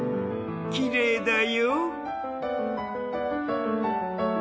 きれいだよ。